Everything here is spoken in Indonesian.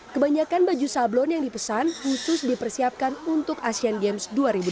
kebanyakan baju sablon yang dipesan khusus dipersiapkan untuk asean games dua ribu delapan belas